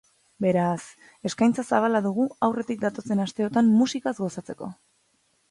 Beraz, eskaintza zabala dugu aurretik datozen asteotan musikaz gozatzeko.